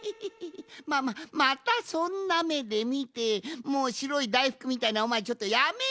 まあまあまたそんなめでみてもうしろいだいふくみたいなおまえちょっとやめろ！